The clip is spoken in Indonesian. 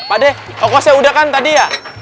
pakde kokosnya udah kan tadi ya